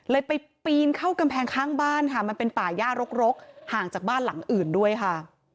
ไปปีนเข้ากำแพงข้างบ้านค่ะมันเป็นป่าย่ารกรกห่างจากบ้านหลังอื่นด้วยค่ะ